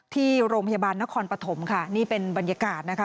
ที่โรงพยาบาลนครปฐมค่ะนี่เป็นบรรยากาศนะคะ